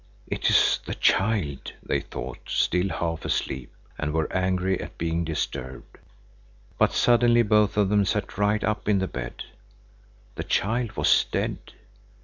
"It is the child," they thought, still half asleep, and were angry at being disturbed. But suddenly both of them sat right up in the bed. The child was dead.